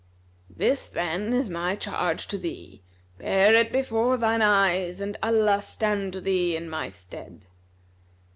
This, then, is my charge to thee; bear it before thine eyes, and Allah stand to thee in my stead."